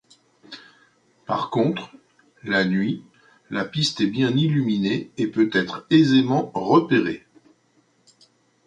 Par contre, la nuit, la piste est bien illuminée et peut être aisément repérée.